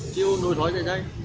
chiêu nuôi thói chạy chay